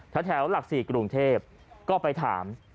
แถวหลัก๔กรุงเทพก็ไปถาม